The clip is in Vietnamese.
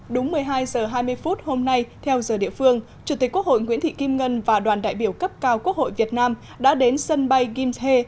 đúng một mươi hai h hai mươi phút hôm nay theo giờ địa phương chủ tịch quốc hội nguyễn thị kim ngân và đoàn đại biểu cấp cao quốc hội việt nam đã đến sân bay kim thê